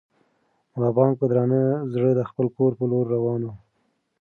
ملا بانګ په درانه زړه د خپل کور په لور روان و.